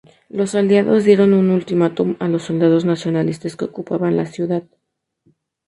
Los Aliados dieron un ultimátum a los soldados nacionalistas que ocupaban la ciudad.